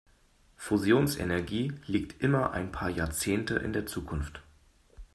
Fusionsenergie liegt immer ein paar Jahrzehnte in der Zukunft.